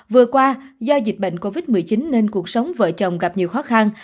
vừa qua do dịch bệnh covid một mươi chín nên cuộc sống vợ chồng gặp nhiều khó khăn